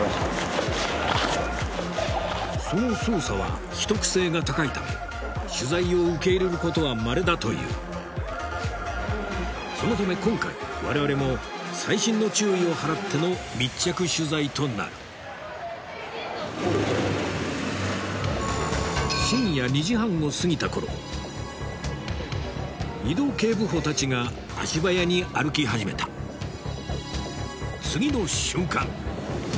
その捜査は秘匿性が高いため取材を受け入れることはまれだというそのため今回我々も細心の注意を払っての密着取材となる深夜２時半を過ぎた頃井戸警部補たちが足早に歩き始めた次の瞬間！